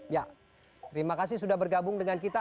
ya terima kasih sudah bergabung dengan kita